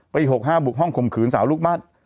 ปี๖๕บุกห้องข่มขืนสาวลูกบ้าน